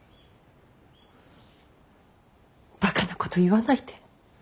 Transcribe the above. ばかなこと言わないで。